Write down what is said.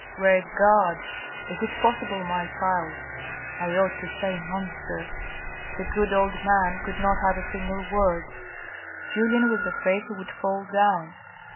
" Great God ! Is it possible, my child — I ought to say monster ?" The good old man could not add a single word. Julien was afraid he would fall down.